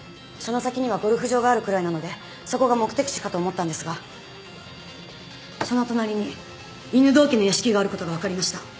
その先にはゴルフ場があるくらいなのでそこが目的地かと思ったんですがその隣に犬堂家の屋敷があることが分かりました。